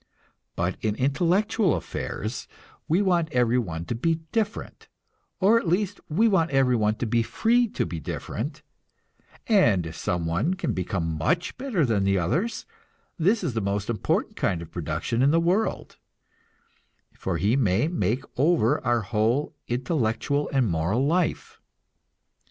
But in intellectual affairs we want everyone to be different, or at least we want everyone to be free to be different, and if some one can become much better than the others, this is the most important kind of production in the world, for he may make over our whole intellectual and moral life.